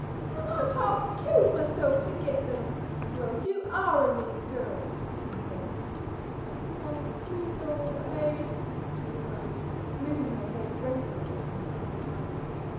"An' I've half killed myself to get them! Well, you ARE a mean girl!" he said. "Oh, DO go away,": Judy moaned, moving her head restlessly from side to side.